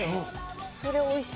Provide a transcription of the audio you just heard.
それおいしい。